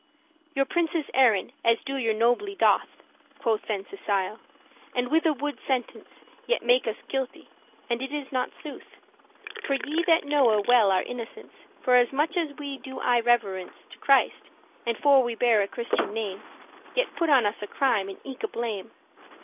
* *renounce "Your princes erren, as your nobley* doth," *nobility Quoth then Cecile, "and with a *wood sentence* *mad judgment* Ye make us guilty, and it is not sooth:* *true For ye that knowe well our innocence, Forasmuch as we do aye reverence To Christ, and for we bear a Christian name, Ye put on us a crime and eke a blame.